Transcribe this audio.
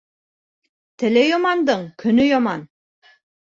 Теле ямандың көнө яман.